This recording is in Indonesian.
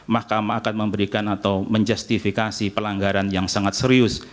mahkamah akan memberikan atau menjustifikasi pelanggaran yang sangat serius